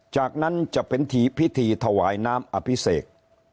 จากนั้นจะเป็นทีพิธีถวายน้ำอภิเษก